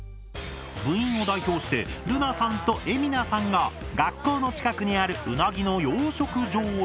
部員を代表してるなさんとえみなさんが学校の近くにあるウナギの養殖場へ。